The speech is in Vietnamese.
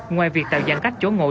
ngoài việc tạo giãn cách chỗ ngồi